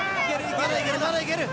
まだいける！